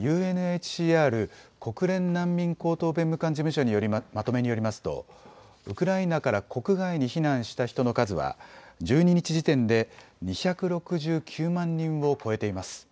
ＵＮＨＣＲ・国連難民高等弁務官事務所のまとめによりますとウクライナから国外に避難した人の数は１２日時点で２６９万人を超えています。